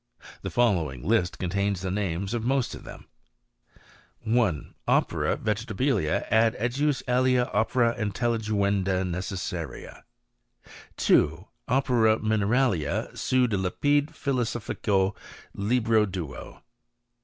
The following list contains the names of most of them: 1. Opera Vegetabilia ad ejus alia Opera Intelli* genda Neceaaaria. 44 HISTORY OF CHEMISTRY. 2. Opera Mineralia seu de Lapide Philosophico Libri duo.